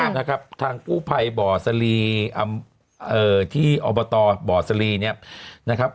นะครับทางกู้ภัยบ่อสลีที่อบตบ่อสลีเนี่ยนะครับ